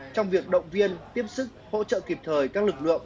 trong việc động viên tiếp sức hỗ trợ kịp thời các lực lượng